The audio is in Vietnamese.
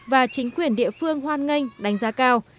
và chính quyền địa phương hoan nghênh đánh giá cao